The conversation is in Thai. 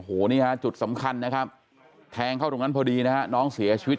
โอ้โหนี่ฮะจุดสำคัญนะครับแทงเข้าตรงนั้นพอดีนะฮะน้องเสียชีวิต